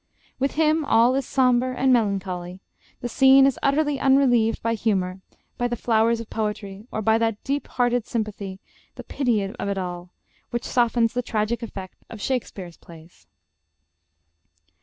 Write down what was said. With him all is sombre and melancholy; the scene is utterly unrelieved by humor, by the flowers of poetry, or by that deep hearted sympathy the pity of it all which softens the tragic effect of Shakespeare's plays.